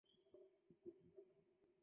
水母雪兔子为菊科风毛菊属的植物。